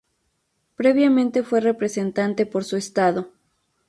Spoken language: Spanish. Previamente fue Representante por su estado.